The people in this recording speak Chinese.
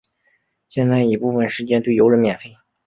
现在已部分时间对游人免费。